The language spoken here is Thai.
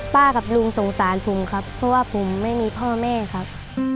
กับลุงสงสารผมครับเพราะว่าผมไม่มีพ่อแม่ครับ